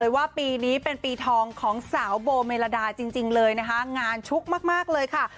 ว่าปีนี้เป็นปีทองของสาวโบเมลดาจริงเลยนะคะงานชุกมากเลยค่ะ